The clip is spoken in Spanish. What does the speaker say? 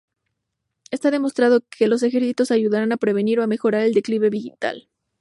Está demostrado que los ejercicios ayudan a prevenir o a mejorar el declive vital.